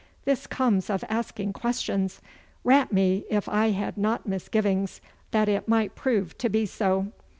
'This comes of asking questions! Rat me, if I had not misgivings that it might prove to be so.